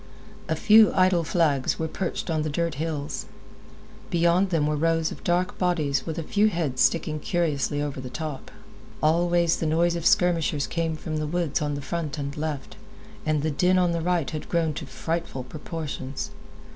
A few idle flags were perched on the dirt hills. Behind them were rows of dark bodies with a few heads sticking curiously over the top. Always the noise of skirmishers came from the woods on the front and left, and the din on the right had grown to frightful proportions.